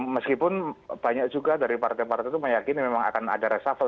meskipun banyak juga dari partai partai itu meyakini memang akan ada reshuffle